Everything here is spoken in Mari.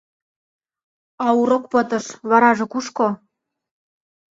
А урок пытыш — вараже кушко?